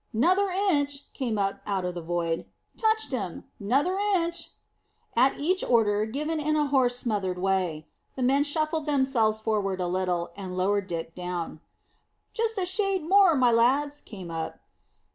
"'Nother inch," came up out of the void. "Touched him. 'Nother inch!" At each order, given in a hoarse, smothered way, the men shuffled themselves forward a little, and lowered Dick down. "Just a shade more, my lads," came up.